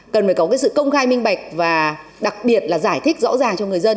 cần phải có cái sự công khai minh bạch và đặc biệt là giải thích rõ ràng cho người dân